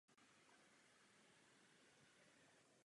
Expozice již ale byla uzavřena.